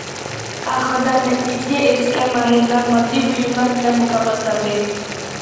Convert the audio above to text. ئاخىرىدا نەتىجىگە ئېرىشكەن ماھىرلار ماددىي بۇيۇملار بىلەن مۇكاپاتلاندى.